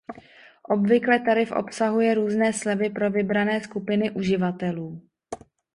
Obvykle tarif obsahuje různé slevy pro vybrané skupiny uživatelů.